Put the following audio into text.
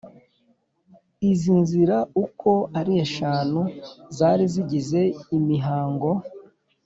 izi nzira uko ari eshanu zari zigize imihango